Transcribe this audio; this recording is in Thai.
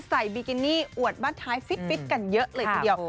บิกินี่อวดบ้านท้ายฟิตกันเยอะเลยทีเดียว